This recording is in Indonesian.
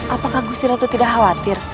apakah gusti ratu tidak khawatir